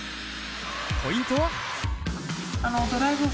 ポイントは？